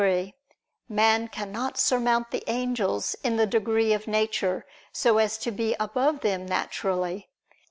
3: Man cannot surmount the angels in the degree of nature so as to be above them naturally.